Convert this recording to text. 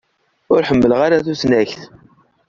Ur ḥemmleɣ ara tusnakt.